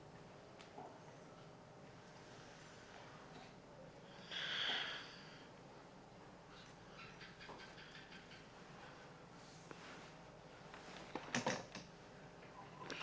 terima kasih echoes